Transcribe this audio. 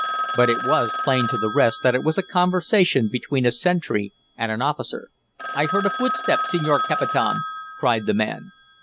But it was plain to the rest that it was a conversation between a sentry and an officer. "I heard a footstep, senor capitan!" cried the man.